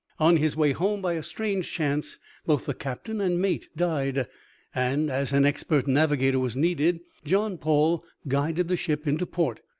On his way home, by a strange chance, both the captain and mate died, and as an expert navigator was needed, John Paul guided the ship into port.